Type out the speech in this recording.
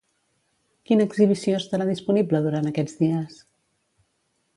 Quina exhibició estarà disponible durant aquests dies?